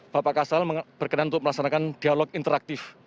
bapak kasal berkenan untuk melaksanakan dialog interaktif